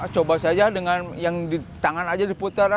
coba saja dengan yang di tangan saja diputar